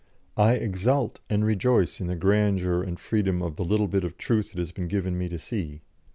I exult and rejoice in the grandeur and freedom of the little bit of truth it has been given me to see.